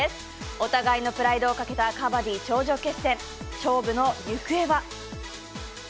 お互いのプライドをかけたカバディ頂上決戦、勝負の行方は？